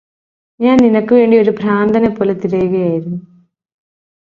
ഞാന് നിനക്കുവേണ്ടി ഒരു ഭ്രാന്തനെപോലെ തെരയുകയായിരുന്നു